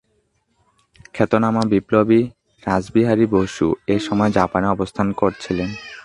খ্যাতনামা বিপ্লবী রাসবিহারী বসু এ সময়ে জাপানে অবস্থান করছিলেন।